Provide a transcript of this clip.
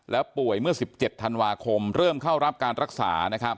แล้วป่วยเมื่อ๑๗ธันวาคมเริ่มเข้ารับการรักษา